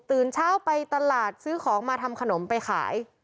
เช้าไปตลาดซื้อของมาทำขนมไปขาย